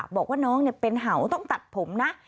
บอกว่าน้องเป็นเห่าต้องตัดผมนะ